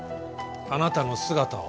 あなたの姿を。